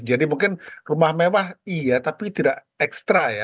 jadi mungkin rumah mewah iya tapi tidak ekstra ya